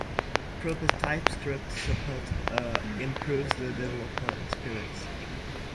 proper TypeScript support improves the developer experience